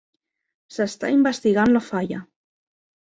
S'està investigant la falla.